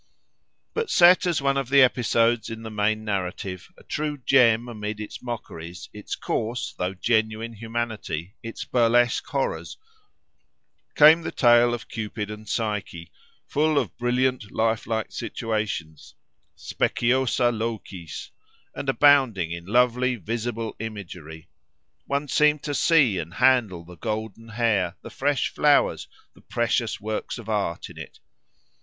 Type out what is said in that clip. But set as one of the episodes in the main narrative, a true gem amid its mockeries, its coarse though genuine humanity, its burlesque horrors, came the tale of Cupid and Psyche, full of brilliant, life like situations, speciosa locis, and abounding in lovely visible imagery (one seemed to see and handle the golden hair, the fresh flowers, the precious works of art in it!)